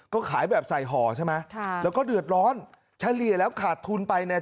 ก็ขายแบบใส่ห่อใช่ไหมค่ะแล้วก็เดือดร้อนเฉลี่ยแล้วขาดทุนไปเนี่ย